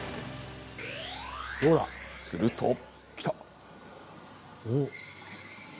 すると。